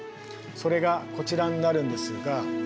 それがこちらになるんですが。